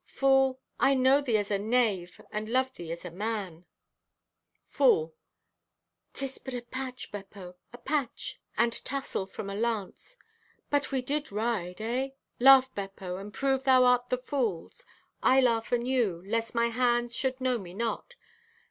Fool, I know thee as a knave and love thee as a man." (Fool) "'Tis but a patch, Beppo, a patch and tassel from a lance ... but we did ride, eh? Laugh, Beppo, and prove thou art the fool's! I laugh anew, lest my friends should know me not.